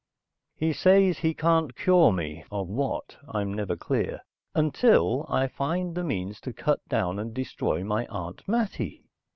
He says he can't cure me of what, I'm never clear until I find the means to cut down and destroy my Aunt Mattie.